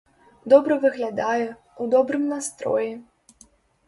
Добра выглядае, у добрым настроі.